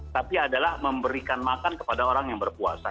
tapi adalah memberikan makan kepada orang yang berpuasa